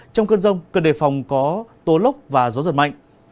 trong cơn rông cần đề phòng có tố lốc và gió giật mạnh